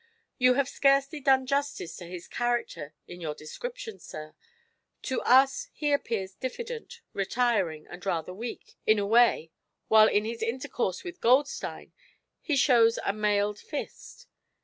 You have scarcely done justice to his character in your description, sir. To us he appears diffident, retiring, and rather weak, in a way, while in his intercourse with Goldstein he shows a mailed fist.